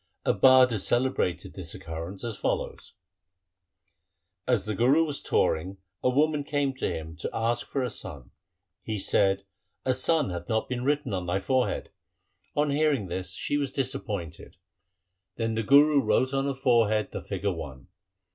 A bard has celebrated this occurrence as follows :— As the Guru was touring, a woman came to him to ask for a son. He said, ' A son hath not been written on thy forehead '; on hearing this she was disappointed. SIKH. IV K THE SIKH RELIGION Then the Guru wrote on her forehead the figure one.